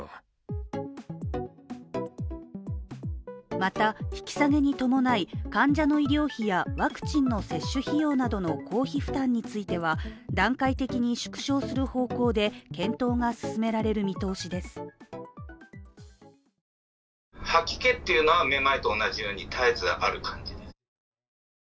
また、引き下げに伴い、患者の医療費やワクチンの接種費用などの公費負担については段階的に縮小する方向で検討が進められる見通しです。